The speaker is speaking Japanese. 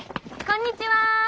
こんにちは。